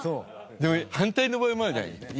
でも反対の場合もあるじゃない。